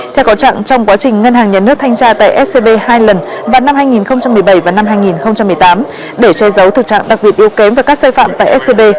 theo có trạng trong quá trình ngân hàng nhà nước thanh tra tại scb hai lần vào năm hai nghìn một mươi bảy và năm hai nghìn một mươi tám để che giấu thực trạng đặc biệt yêu kém và các sai phạm tại scb